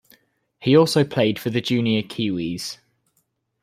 He also played for the Junior Kiwis.